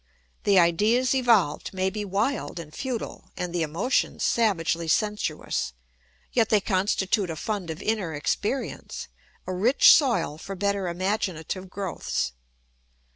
The ideas evolved may be wild and futile and the emotions savagely sensuous, yet they constitute a fund of inner experience, a rich soil for better imaginative growths.